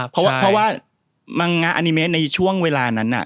เพราะว่ามังงาอานิเมะในช่วงเวลานั้น